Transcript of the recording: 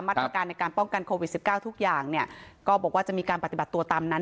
มาตรการในการป้องกันโควิด๑๙ทุกอย่างเนี่ยก็บอกว่าจะมีการปฏิบัติตัวตามนั้น